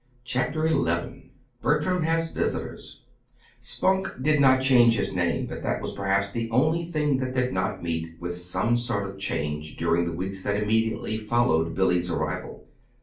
CHAPTER XI BERTRAM HAS VISITORS Spunk did not change his name; but that was perhaps the only thing that did not meet with some sort of change during the weeks that immediately followed Billy's arrival.